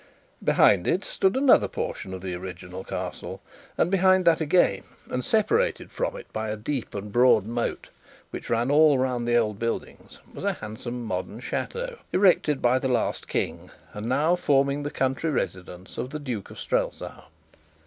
Behind it stood another portion of the original castle, and behind that again, and separated from it by a deep and broad moat, which ran all round the old buildings, was a handsome modern chateau, erected by the last king, and now forming the country residence of the Duke of Strelsau.